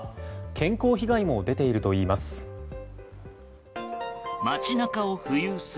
健康被害も出ているといいます。